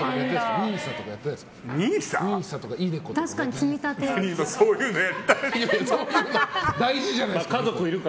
ＮＩＳＡとかやってないですか。